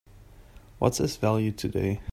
What's its value today?